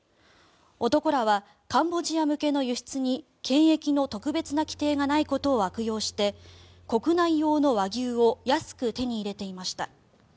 男らはカンボジア向けの輸出に検疫の特別な規定がないことを悪用して国内用の和牛を安く手に入れていました。